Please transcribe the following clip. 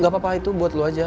gak apa apa itu buat lo aja